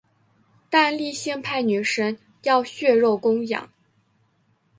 但性力派女神要血肉供养。